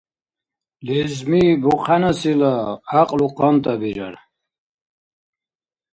Лезми бухъянсила гӀякьлу къантӀа бирар.